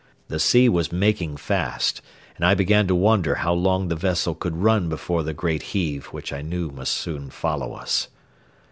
The sea was making fast, and I began to wonder how long the vessel could run before the great heave which I knew must soon follow us.